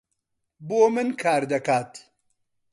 بۆ من کار دەکات.